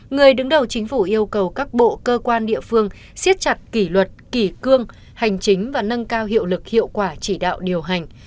người đứng đầu chính phủ yêu cầu các bộ cơ quan địa phương siết chặt kỷ luật kỷ cương hành chính và nâng cao hiệu lực hiệu quả chỉ đạo điều hành